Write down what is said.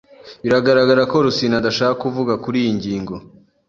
Biragaragara ko Rusine adashaka kuvuga kuriyi ngingo.